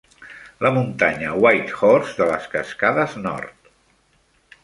La muntanya Whitehorse de les Cascades Nord.